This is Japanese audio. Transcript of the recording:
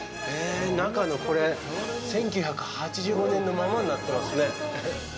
中のこれ、１９８５年のままになってますね。